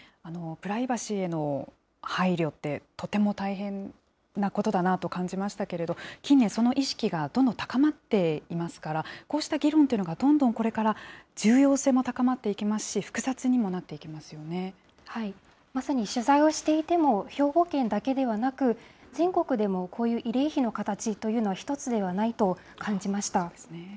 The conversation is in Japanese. プライバシーへの配慮って、とても大変なことだなと感じましたけれど、近年、その意識がどんどん高まっていますから、こうした議論というのが、どんどんこれから重要性も高まっていきますし、まさに取材をしていても兵庫県だけではなく、全国でもこういう慰霊碑の形というのは一つではないと感じました。